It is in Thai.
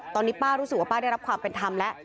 ตอนนี้ป้ารู้สึกว่าป้าได้รับความเป็นธรรมแล้ว